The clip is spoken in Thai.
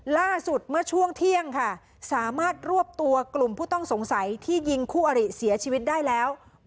ล่าสุดเมื่อช่วงเที่ยงค่ะสามารถรวบตัวกลุ่มผู้ต้องสงสัยที่ยิงคู่อริเสียชีวิตได้แล้ว